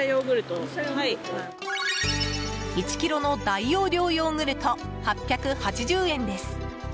１ｋｇの大容量ヨーグルト８８０円です。